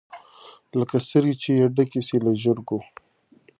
لکه سترګي چي یې ډکي سي له ژرګو